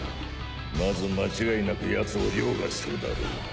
まず間違いなくヤツを凌駕するだろう。